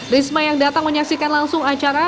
risma yang datang menyaksikan langsung acara